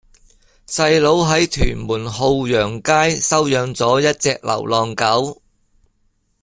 細佬喺屯門浩洋街收養左一隻流浪狗